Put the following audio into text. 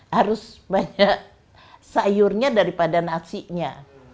harus banyak sayurnya daripada nasinya